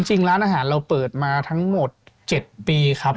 จริงร้านอาหารเราเปิดมาทั้งหมด๗ปีครับ